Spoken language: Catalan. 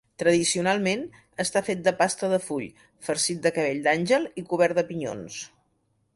Tradicionalment, està fet de pasta de full, farcit de cabell d'àngel i cobert de pinyons.